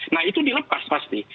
nah itu dilepas pasti